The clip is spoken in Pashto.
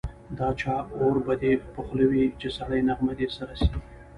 د چا اور به دي په خوله وي چي سړه نغمه دي سره سي